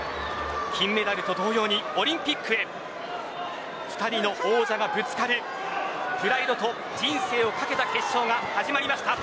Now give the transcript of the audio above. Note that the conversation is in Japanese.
金メダルと同様にオリンピックへ２人の王者がぶつかるプライドと人生をかけた決勝が始まりました。